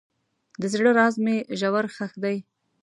د زړه راز مې ژور ښخ دی.